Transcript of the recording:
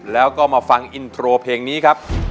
แล้วก็มาฟังอินโทรเพลงนี้ครับ